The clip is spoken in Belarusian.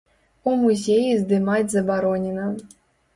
У музеі здымаць забаронена.